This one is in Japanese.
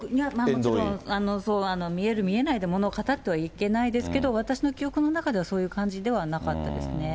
もちろん、見える見えないでものを語ってはいけないですけど、私の記憶の中では、そういう感じではなかったですね。